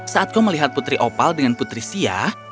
saat kau melihat putri opal dengan putri sia